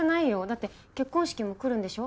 だって結婚式も来るんでしょ？